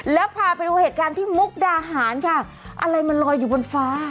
แล้วพาไปดูเหตุการณ์ที่มุกดาหารค่ะอะไรมันลอยอยู่บนฟ้า